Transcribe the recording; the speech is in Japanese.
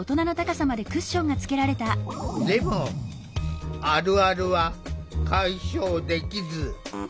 でもあるあるは解消できず。